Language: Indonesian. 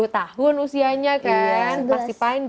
sepuluh tahun usianya kan